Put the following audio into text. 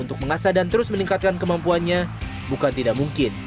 untuk mengasah dan terus meningkatkan kemampuannya bukan tidak mungkin